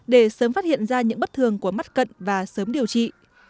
để sớm phát hiện ra những bất thường của mắt cận và sớm điều trị